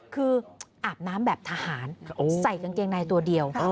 คืออาบน้ำแบบทหารใส่กางเกงในตัวเดียว